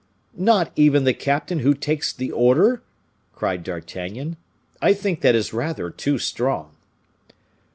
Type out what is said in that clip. "Not even the captain who takes the order?" cried D'Artagnan. "I think that is rather too strong."